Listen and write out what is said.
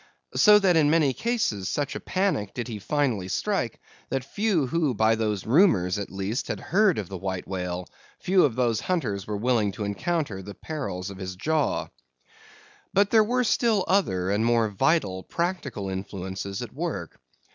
So that in many cases such a panic did he finally strike, that few who by those rumors, at least, had heard of the White Whale, few of those hunters were willing to encounter the perils of his jaw. But there were still other and more vital practical influences at work.